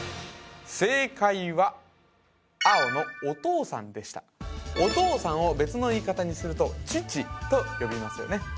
正解は青のお父さんでしたお父さんを別の言い方にするとちちと呼びますよね